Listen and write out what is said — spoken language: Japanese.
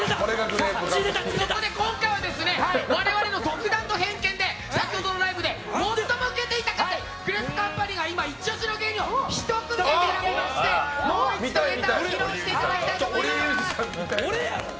今回は我々の独断と偏見で先ほどのライブで最もウケていたグレープカンパニーが今、イチ押しの芸人をひと組選びましてもう一度ネタを披露していただきたいと思います。